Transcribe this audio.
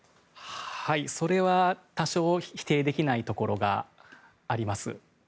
それは多少否定できないところがあります。